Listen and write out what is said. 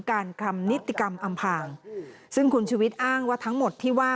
การทำนิติกรรมอำพางซึ่งคุณชุวิตอ้างว่าทั้งหมดที่ว่า